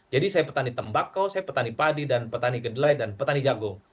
jadi saya petani tembakau saya petani padi dan petani gedelai dan petani jagung